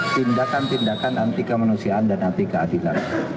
tindakan tindakan anti kemanusiaan dan anti keadilan